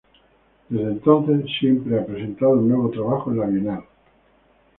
Desde entonces, siempre ha presentado un nuevo trabajo en la Bienal.